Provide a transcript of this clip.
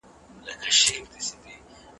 تاسو باید د مقالي لپاره یو قوي دلیل ولرئ.